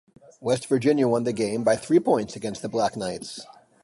West Virginia won the game by three points against the Black Knights.